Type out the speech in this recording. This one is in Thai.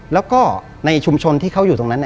แล้วก็ในชุมชนที่เขาอยู่ตรงนั้น